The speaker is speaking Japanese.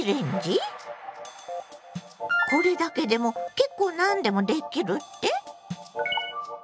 これだけでも結構何でもできるって？